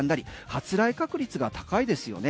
発雷確率が高いですよね。